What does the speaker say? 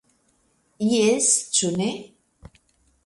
Jes, ĉu ne.